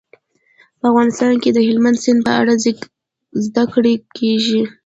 په افغانستان کې د هلمند سیند په اړه زده کړه کېږي.